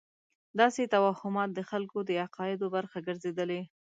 داسې توهمات د خلکو د عقایدو برخه ګرځېدلې.